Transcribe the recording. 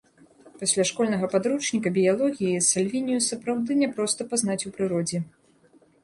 Пасля школьнага падручніка біялогіі сальвінію сапраўды няпроста пазнаць у прыродзе.